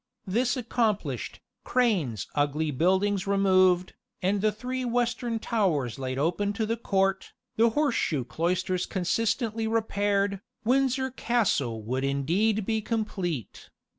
This accomplished, Crane's ugly buildings removed, and the three western towers laid open to the court, the Horse shoe Cloisters consistently repaired, Windsor Castle would indeed be complete.